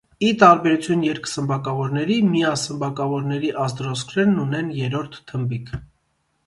Ի տարբերություն երկսմբակավորների՝ միասմբակավորների ազդրոսկրերն ունեն երրորդ թմբիկ։